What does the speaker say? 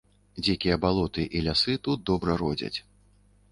Дзікія балоты і лясы тут добра родзяць.